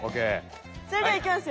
それではいきますよ。